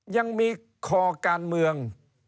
ยังมีคอการเมือง